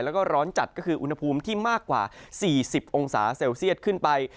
แล้วก็ร้อนจัดก็คืออุณหภูมิที่มากกว่า๔๐องศาเซลเซียตขึ้นไป